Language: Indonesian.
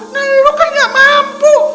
nah lo kan gak mampu